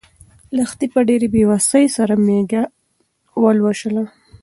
لښتې په ډېرې بې وسۍ سره مېږه ولوشله.